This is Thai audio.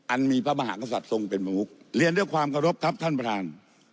มีพระมหากษัตริย์ทรงเป็นประมุกเรียนด้วยความเคารพครับท่านประธาน